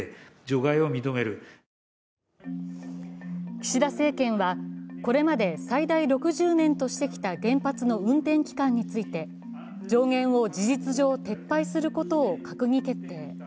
岸田政権は、これまで最大６０年としてきた原発の運転期間について上限を事実上撤廃することを閣議決定。